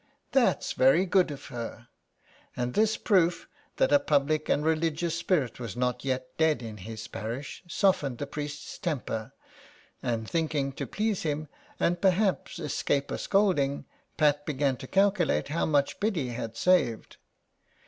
" That's very good of her," and this proof that a public and religious spirit was not yet dead in his parish softened the priest's temper, and, thinking to please him and perhaps escape a scolding, Pat began to calculate how much Biddy had saved.